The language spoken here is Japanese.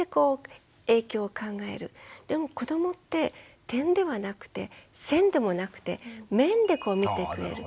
でも子どもって点ではなくて線でもなくて面で見てくれる。